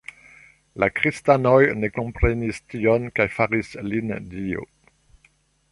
La kristanoj ne komprenis tion kaj faris lin dio.